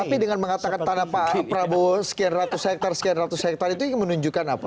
tapi dengan mengatakan tanah pak prabowo sekian ratus hektare sekian ratus hektare itu menunjukkan apa